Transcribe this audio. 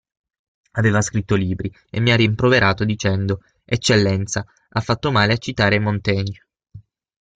Aveva scritto libri e mi ha rimproverato dicendo: Eccellenza, ha fatto male a citare Montaigne.